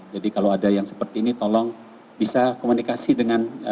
jadi kalau ada yang seperti ini tolong bisa komunikasi dengan